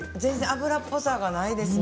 油っこさがないですね。